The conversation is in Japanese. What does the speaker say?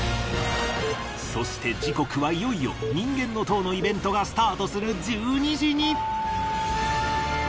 そして時刻はいよいよ人間の塔のイベントがスタートする１２時に。